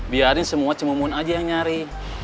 biarin semua cemumun aja yang nyari